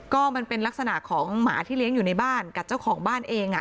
ก็มันเป็นลักษณะของหมาที่เลี้ยงอยู่ในบ้านกับเจ้าของบ้านเอง